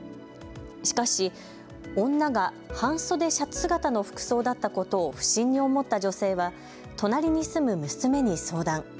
しかし、女が半袖シャツ姿の服装だったことを不審に思った女性は隣に住む娘に相談。